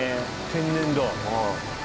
天然だ。